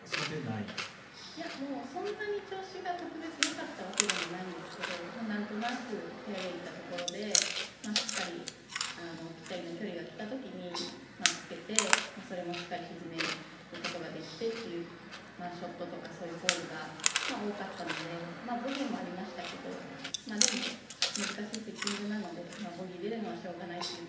いや、そんなに調子が特別よかったわけではないんですけどなんとなくフェアウェーいったところでしっかりぴったりの距離がきた時につけてそれもしっかり沈めることができてっていうショットとかそういうホールが多かったのでボギーもありましたけどでも難しいセッティングなのでボギー出るのはしょうがないという